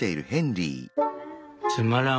「つまらん